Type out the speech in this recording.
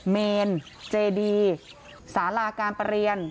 เมนเจดีสาราการประเรียน